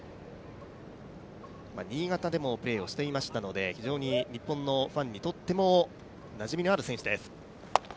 新潟でもプレーをしていましたので、非常に日本のファンにとってもなじみのある選手です。